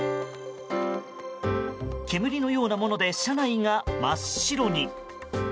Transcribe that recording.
煙のようなもので車内が真っ白に。